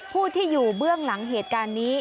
ผู้ที่อยู่เบื้องหลังเหตุการณ์นี้